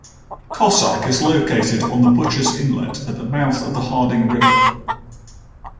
Cossack is located on Butchers Inlet at the mouth of the Harding River.